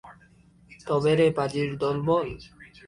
তবে রে পাজির দলবল!